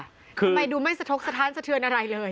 ทำไมดูไม่สะทกสถานสะเทือนอะไรเลย